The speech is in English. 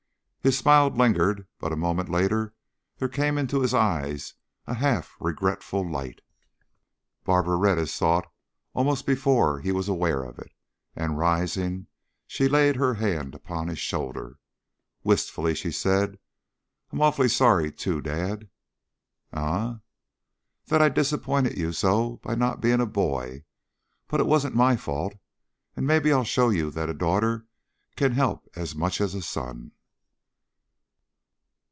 His smile lingered, but a moment later there came into his eyes a half regretful light. Barbara read his thought almost before he was aware of it, and, rising, she laid her hand upon his shoulder. Wistfully she said, "I'm awfully sorry, too, dad " "Eh?" " that I disappointed you so by not being a boy. But it wasn't my fault, and maybe I'll show you that a daughter can help as much as a son."